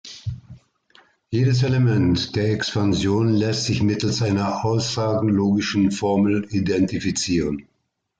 Jedes Element der Expansion lässt sich mittels einer aussagenlogischen Formel identifizieren.